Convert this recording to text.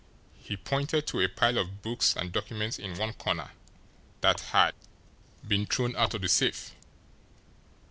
He pointed to a pile of books and documents in one corner that had been thrown out of the safe.